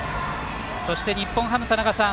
そして、日本ハム、田中さん